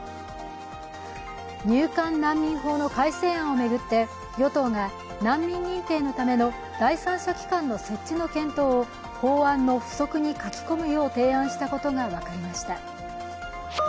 入管難民法の改正案を巡って与党が難民認定のための第三者機関の設置の検討を法案の付則に書き込むよう提案したことが分かりました。